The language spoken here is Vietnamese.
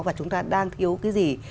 và chúng ta đang thiếu cái gì